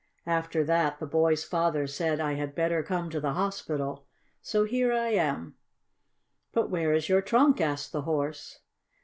After that the boy's father said I had better come to the hospital. So here I am." "But where is your trunk?" asked the Horse.